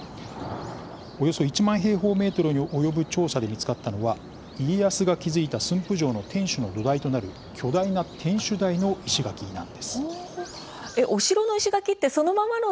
およそ１万平方メートルに及ぶ調査で見つかったのは家康が築いた駿府城の天守の土台となる巨大な天守台の石垣なんです。